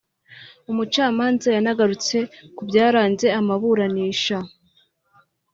Umucamanza yanagarutse ku byaranze amaburanisha